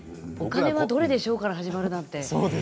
お金はどれでしょうから始まるなんて。